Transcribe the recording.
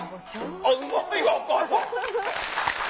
あっうまいわお母さん。